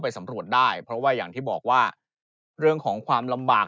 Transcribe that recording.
สำรวจได้เพราะว่าอย่างที่บอกว่าเรื่องของความลำบาก